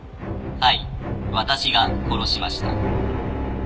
はい私が殺しました。